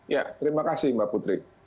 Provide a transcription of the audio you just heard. ya terima kasih mbak putri